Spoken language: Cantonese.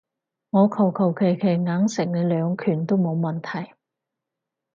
我求求其其硬食你兩拳都冇問題